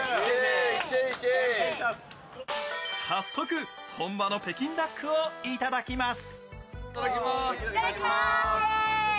早速、本場の北京ダックをいただきます。